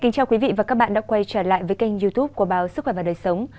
chào các bạn đã quay trở lại với kênh youtube của báo sức khỏe và đời sống